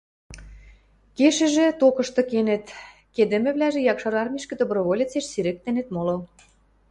Кешӹжӹ – токышты кенӹт, кедӹмӹвлӓжӹ Якшар Армишкӹ доброволецеш сирӹктенӹт моло.